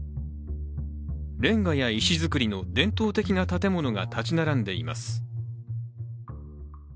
れんがや石造りの伝統的な建物が建ち並んでいます。